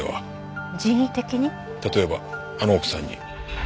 例えばあの奥さんに。